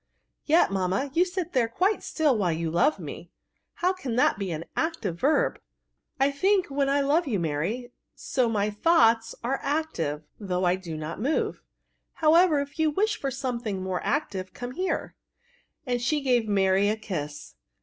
•* Yet, mamma, you sit quite still while you love me; how can that be an active verb?" " I think, when I love you, Mary ; so my thoughts are active, though I do not move. However, if you wish for something more active, come here;" and she gave Mary a kiss.